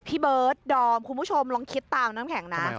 เบิร์ดดอมคุณผู้ชมลองคิดตามน้ำแข็งนะ